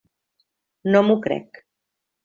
No m'ho crec.